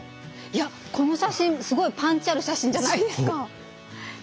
いやこの写真すごいパンチある写真じゃないですかねえ。